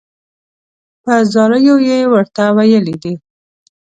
په زاریو یې ورته ویلي دي.